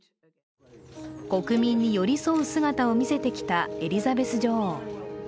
国民に寄り添う姿を見せてきたエリザベス女王。